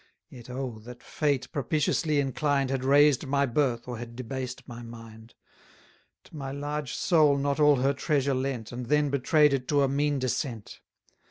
Yet, oh! that fate, propitiously inclined, Had raised my birth, or had debased my mind; To my large soul not all her treasure lent, And then betray'd it to a mean descent!